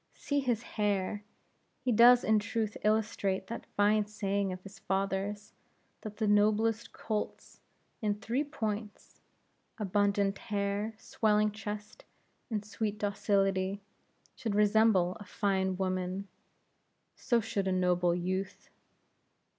See his hair! He does in truth illustrate that fine saying of his father's, that as the noblest colts, in three points abundant hair, swelling chest, and sweet docility should resemble a fine woman, so should a noble youth.